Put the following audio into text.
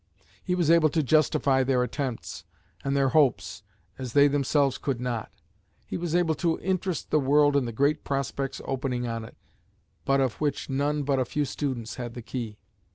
He was able to justify their attempts and their hopes as they themselves could not. He was able to interest the world in the great prospects opening on it, but of which none but a few students had the key.